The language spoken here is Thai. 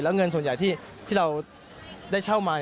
เงินส่วนใหญ่ที่เราได้เช่ามา